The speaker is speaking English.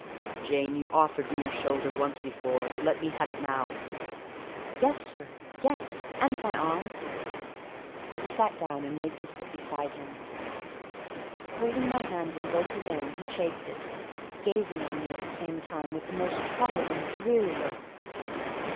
"Jane, you offered me your shoulder once before; let me have it now." "Yes, sir, yes; and my arm." He sat down, and made me sit beside him. Holding my hand in both his own, he chafed it; gazing on me, at the same time, with the most troubled and dreary look.